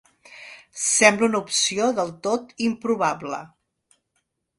Sembla una opció del tot improbable.